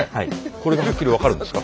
これがはっきり分かるんですか。